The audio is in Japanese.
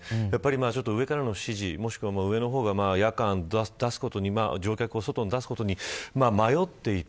上からの指示、もしくは上の方が夜間、出すことに乗客を出すことに迷っていた。